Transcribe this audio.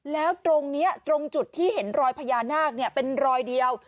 แล้วตรงนี้ตรงจุดที่เห็นรอยพญานาคเป็นรอยเดียว